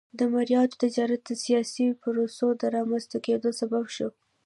د مریانو تجارت د سیاسي پروسو د رامنځته کېدو سبب شو.